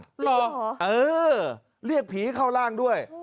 จริงเหรอเออเรียกผีเข้าร่างด้วย